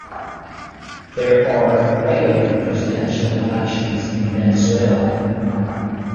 There are regular presidential elections in Venezuela.